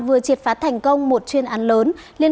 vừa triệt phát thành công một chuyên án lớn